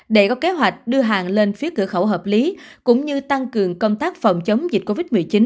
để có kế hoạch đưa hàng lên phía cửa khẩu hợp lý cũng như tăng cường công tác phòng chống dịch covid một mươi chín